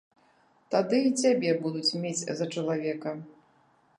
Тады і цябе будуць мець за чалавека.